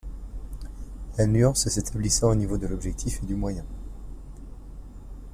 La nuance s'établissant au niveau de l'objectif et du moyen.